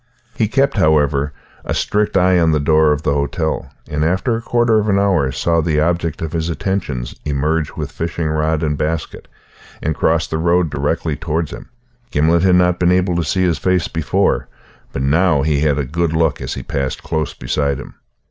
He kept, however, a strict eye on the door of the hotel, and after a quarter of an hour saw the object of his attentions emerge with fishing rod and basket, and cross the road directly towards him. Gimblet had not been able to see his face before, but now he had a good look as he passed close beside him.